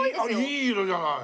いい色じゃない。